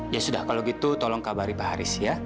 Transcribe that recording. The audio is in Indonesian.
ya sudah kalau gitu tolong kabari pak haris ya